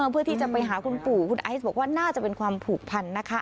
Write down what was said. เพื่อที่จะไปหาคุณปู่คุณไอซ์บอกว่าน่าจะเป็นความผูกพันนะคะ